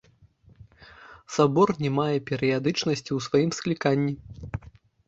Сабор не мае перыядычнасці ў сваім скліканні.